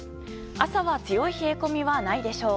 朝は強い冷え込みはないでしょう。